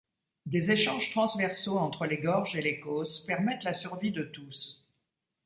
Des échanges transversaux entre les gorges et les causses permettent la survie de tous.